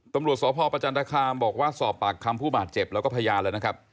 ตำรวจสพประจันทคามบอกว่าสอบปากคำผู้บาดเจ็บแล้วก็พยานแล้วนะครับ